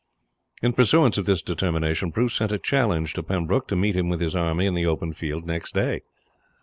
In pursuance of this determination Bruce sent a challenge to Pembroke to meet him with his army in the open field next day.